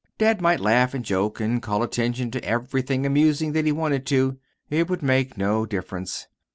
Dad might laugh and joke and call attention to everything amusing that he wanted to it would make no difference.